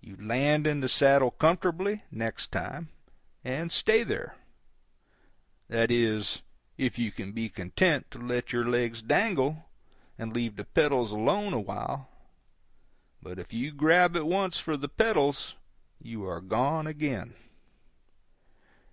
You land in the saddle comfortably, next time, and stay there—that is, if you can be content to let your legs dangle, and leave the pedals alone a while; but if you grab at once for the pedals, you are gone again.